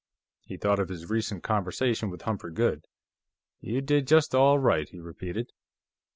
He thought of his recent conversation with Humphrey Goode. "You did just all right," he repeated.